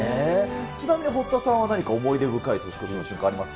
ちなみに堀田さんは何か思い出深い年越しの瞬間ありますか？